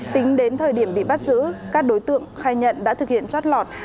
tính đến thời điểm bị bắt giữ các đối tượng khai nhận đã thực hiện chót lọt